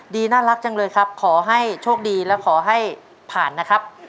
น่ารักจังเลยครับขอให้โชคดีและขอให้ผ่านนะครับ